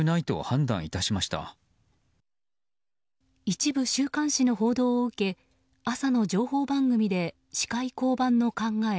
一部週刊誌の報道を受け朝の情報番組で司会降板の考え